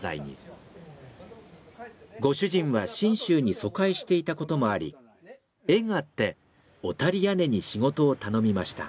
ご主人は信州に疎開していた事もあり縁あって小谷屋根に仕事を頼みました。